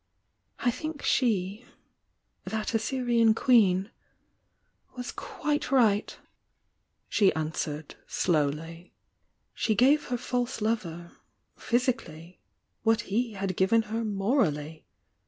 "I think she — that Assyrian queen — was quite right!" she answered, slowly. "She gave her false lover, physically, wjjat he had given her morally.